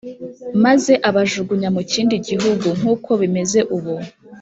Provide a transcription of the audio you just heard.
maze abajugunya mu kindi gihugu, nk’uko bimeze ubu.»